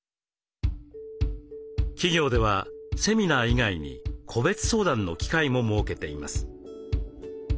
企業ではセミナー以外に個別相談の機会も設けています。